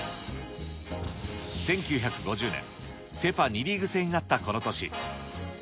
１９５０年、セ・パ２リーグ制になったこの年。